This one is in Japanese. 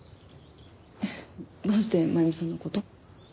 どうして真弓さんの事を？